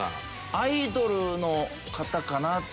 アイドルの方かなって。